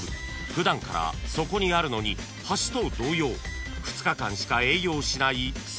普段からそこにあるのに橋と同様２日間しか営業しない施設があるんです］